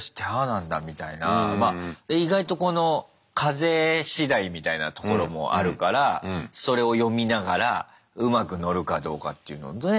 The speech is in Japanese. まあ意外とこの風しだいみたいなところもあるからそれを読みながらうまく乗るかどうかっていうのね。